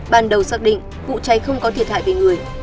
ban đầu xác định vụ cháy không có thiệt hại về người